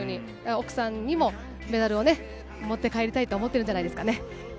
奥さんにもメダルを持って帰りたいと思ってるんじゃないですか。